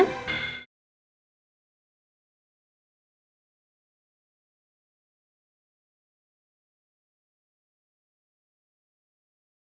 mungkin nino akan ke sekolahnya